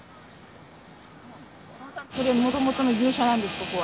もともとの牛舎なんですここは。